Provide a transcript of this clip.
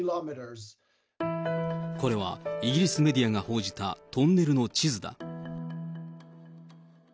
これはイギリスメディアが報じたトンネルの地図だ。